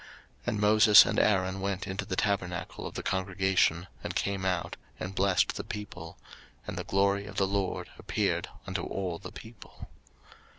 03:009:023 And Moses and Aaron went into the tabernacle of the congregation, and came out, and blessed the people: and the glory of the LORD appeared unto all the people.